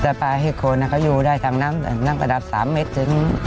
ถ้าปลาเห็ดโคลนเขาอยู่ได้ทั้งน้ำประดับ๓เมตร